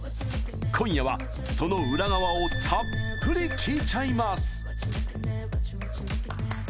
今夜は、その裏側をたっぷり聞いちゃいます！